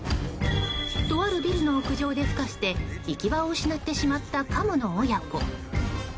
とあるビルの屋上で孵化して行き場を失ってしまったカモの親子。